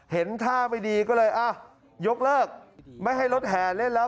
เห็นท่าไม่ดีก็เลยอ่ะยกเลิกไม่ให้รถแห่เล่นแล้ว